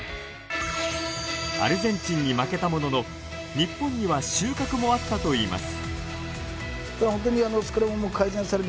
アルゼンチンに負けたものの日本には収穫もあったと言います。